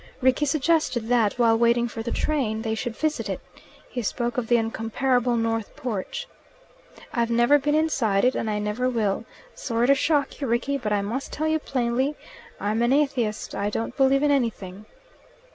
Rickie suggested that, while waiting for the train, they should visit it. He spoke of the incomparable north porch. "I've never been inside it, and I never will. Sorry to shock you, Rickie, but I must tell you plainly. I'm an atheist. I don't believe in anything."